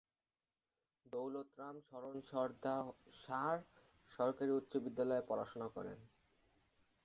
দৌলতরাম সরন সরদারশাহর সরকারি উচ্চ বিদ্যালয়ে পড়াশোনা করেন।